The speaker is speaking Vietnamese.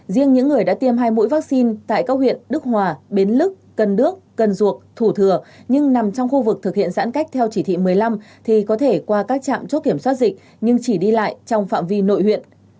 riêng những người đã tiêm hai mũi vaccine tại các huyện đức hòa bến lức cần đước cần duộc thủ thừa nhưng nằm trong khu vực thực hiện giãn cách theo chỉ thị một mươi năm thì có thể qua các trạm chốt kiểm soát dịch nhưng chỉ đi lại trong phạm vi nội huyện